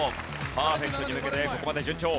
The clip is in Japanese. パーフェクトに向けてここまで順調。